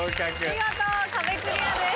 見事壁クリアです。